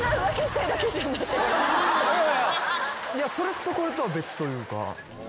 それとこれとは別というか。